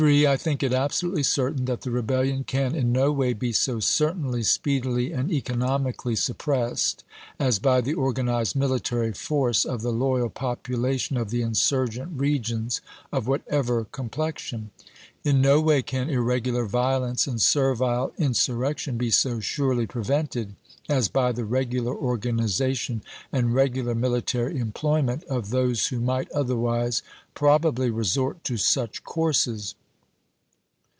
I think it absolutely certain that the rebellion can in no way be so certainly, speedily, and economically sup pressed as by the organized military force of the loyal population of the insurgent regions, of whatever com plexion. In no way can irregular violence and servile insurrection be so surely prevented as by the regular organization and regular military employment of those Vol. VI.— 27 418 ABRAHAM LINCOLN Chap. XIX. who might otlierwise probably resort to such courses.